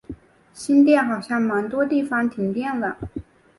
新店好像蛮多地方停电了